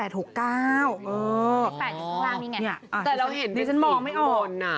อ๋อแต่เราเห็นเป็นสิบขุมน